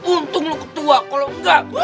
untung lo ketua kalo gak